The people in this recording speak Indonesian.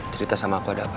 cerita sama aku ada apa